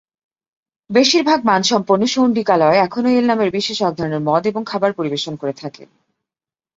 বেশিরভাগ মানসম্পন্ন শৌন্ডিকালয় এখনও এল নামের বিশেষ এক ধরনের মদ এবং খাবার পরিবেশন করে থাকে।